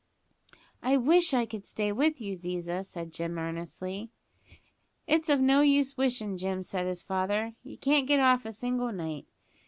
"I wish I could stay with you, Ziza," said Jim earnestly. "It's of no use wishin', Jim," said his father, "you can't get off a single night.